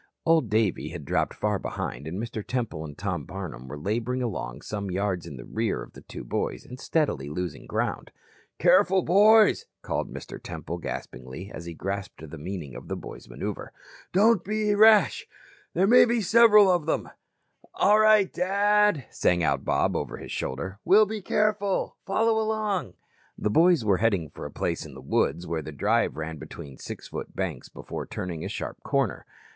Old Davey had dropped far behind and Mr. Temple and Tom Barnum were laboring along some yards in the rear of the two boys and steadily losing ground. "Careful, boys," called Mr. Temple gaspingly, as he grasped the meaning of the boys' maneuver. "Don't be rash. May be several of them." "All right, Dad," sang out Bob over his shoulder. "We'll be careful. Follow along." The boys were heading for a place in the woods where the drive ran between six foot banks before turning a sharp corner.